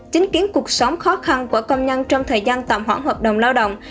chính kiến cuộc sống khó khăn của công nhân trong thời gian tạm hoãn hợp đồng lao động